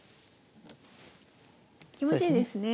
気持ちいいですね。